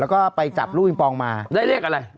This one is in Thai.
แล้วก็ไปจับลูกอิงปองมาได้เลขอะไร